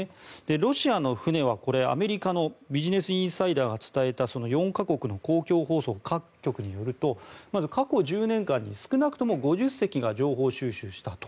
ロシアの船は、アメリカのビジネス・インサイダーが伝えた４か国の公共放送各局によると過去１０年間に少なくとも５０隻が情報収集したと。